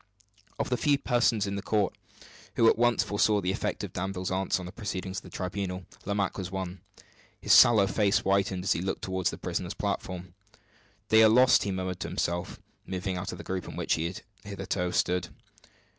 Of the few persons in the court who at once foresaw the effect of Danville's answer on the proceedings of the tribunal, Lomaque was one. His sallow face whitened as he looked toward the prisoners' platform. "They are lost," he murmured to himself, moving out of the group in which he had hitherto stood.